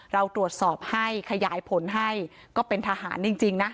เราตรวจสอบให้ขยายผลให้ก็เป็นทหารจริงนะ